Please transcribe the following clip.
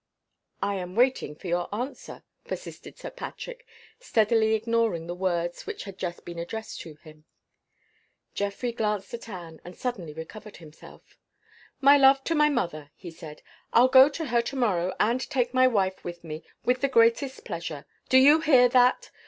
"I am waiting for your answer," persisted Sir Patrick, steadily ignoring the words which had just been addressed to him. Geoffrey glanced at Anne, and suddenly recovered himself. "My love to my mother," he said. "I'll go to her to morrow and take my wife with me, with the greatest pleasure. Do you hear that?